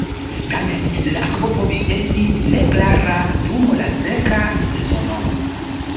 Tamen, la akvo povis esti neklara dum la seka sezono.